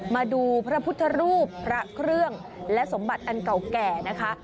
มาดูพระพุทธรูปพระเครื่องและสมบัติอันเก่าแก่นะคะ